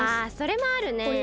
あそれもあるね。